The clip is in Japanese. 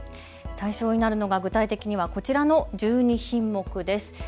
対象になるのが具体的にはこちらの１２品目です。